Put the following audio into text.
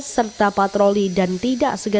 serta patroli dan tidak segera